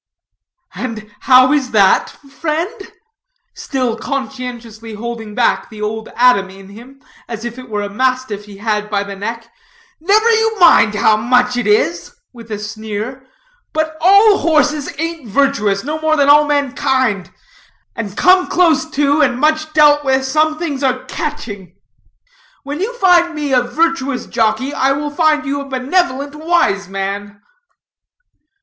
"And how is that, friend?" still conscientiously holding back the old Adam in him, as if it were a mastiff he had by the neck. "Never you mind how it is" with a sneer; "but all horses aint virtuous, no more than all men kind; and come close to, and much dealt with, some things are catching. When you find me a virtuous jockey, I will find you a benevolent wise man."